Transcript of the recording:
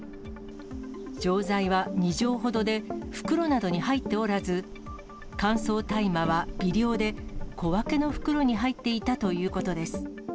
錠剤は２錠ほどで、袋などに入っておらず、乾燥大麻は微量で、小分けの袋に入っていたということです。